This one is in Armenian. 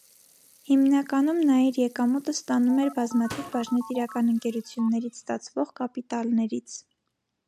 Հիմնականում նա իր եկամուտն ստանում էր բազմաթիվ բաժնետիրական ընկերություններից ստացվող կապիտալներից։